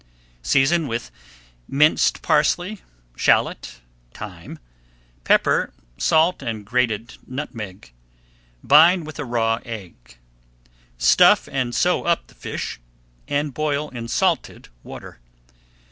Season with minced parsley, shallot, thyme, pepper, salt, and grated nutmeg. Bind with a raw egg. Stuff and sew up the fish and boil in salted water.